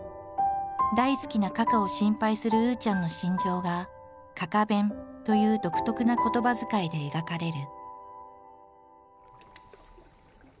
大好きなかかを心配するうーちゃんの心情が「かか弁」という独特な言葉遣いで描かれる。